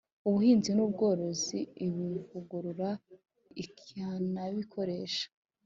ubuhinzi n ubworozi ibivugurura ikanabikoresha